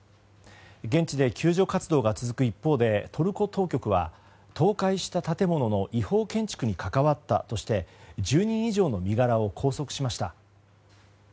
現地で救助活動が続く一方でトルコ当局は倒壊した建物の違法建築に関わったとして１０人以上の身柄を拘束しました。